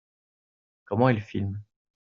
Comment est le film ?